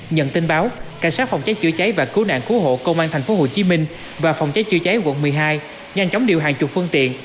nhận tin báo cảnh sát phòng cháy chữa cháy và cứu nạn cứu hộ công an tp hcm và phòng cháy chữa cháy quận một mươi hai nhanh chóng điều hàng chục phương tiện